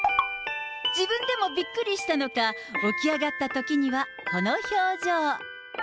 自分でもびっくりしたのか、起き上がったときには、この表情。